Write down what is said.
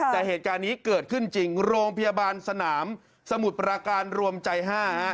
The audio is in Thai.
แต่เหตุการณ์นี้เกิดขึ้นจริงโรงพยาบาลสนามสมุทรปราการรวมใจ๕